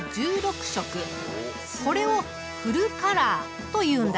これをフルカラーというんだ。